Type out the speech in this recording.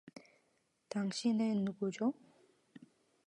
당신은 누구죠?